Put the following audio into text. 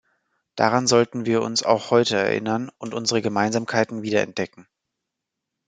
Daran sollten wir uns auch heute erinnern und unsere Gemeinsamkeiten wieder entdecken.